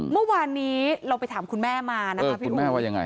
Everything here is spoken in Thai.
เมื่อวานนี้เราไปถามคุณแม่มานะคะพี่คุณแม่ว่ายังไง